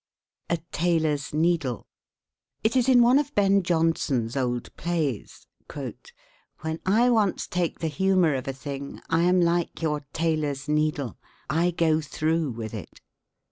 A TAILOR'S NEEDLE. It is in one of Ben Jonson's old plays: "When I once take the humor of a thing, I am like your tailor's needle I go through with it."